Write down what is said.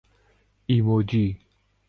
emoji